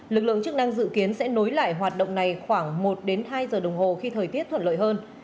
lực lượng chức năng dự kiến sẽ nối lại hoạt động này khoảng một đến hai giờ đồng hồ khi thời tiết thuận lợi hơn